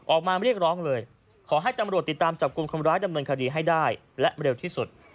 ออกมาเรียกร้องเลยขอให้ตำรวจติดตามจับกลุ่มคนร้ายดำเนินคดีให้ได้และเร็วที่สุด